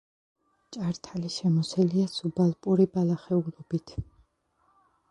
ჭართალი შემოსილია სუბალპური ბალახეულობით.